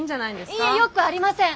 いいえよくありません！